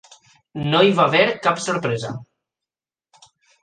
No hi va haver cap sorpresa.